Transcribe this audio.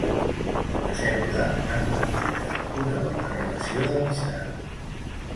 Pel que sembla, van mantindre una bona relació d'amistat.